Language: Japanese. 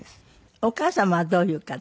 お母様はどういう方？